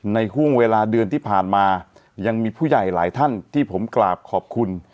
ห่วงเวลาเดือนที่ผ่านมายังมีผู้ใหญ่หลายท่านที่ผมกราบขอบคุณ